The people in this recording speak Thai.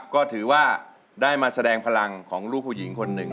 ก็ถือว่าได้มาแสดงพลังของลูกผู้หญิงคนหนึ่ง